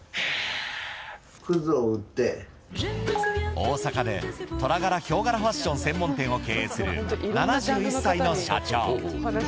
大阪でトラ柄・ヒョウ柄ファッション専門店を経営する７１歳の社長。